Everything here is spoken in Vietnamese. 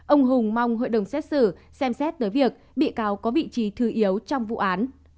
ông hùng mong hội đồng xét xử xem xét tới việc bị cáo có vị trí thư yếu trong vụ án